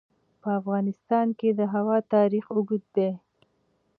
په افغانستان کې د هوا تاریخ اوږد دی.